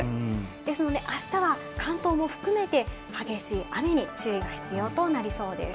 ですのであしたは関東も含めて激しい雨に注意が必要となりそうです。